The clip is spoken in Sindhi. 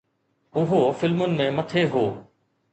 اهو فلمن ۾ مٿي هو.